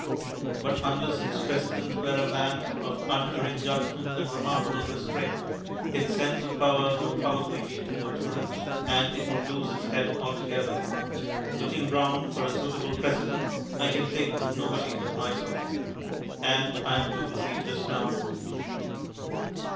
But unless its president were a man of unerring judgment and remarkable restraint, its sense of power would probably be too much for it, and it would lose its head altogether. Looking round for a suitable president, I can think of nobody but myself. And I am too busy just now.